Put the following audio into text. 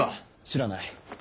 知らない。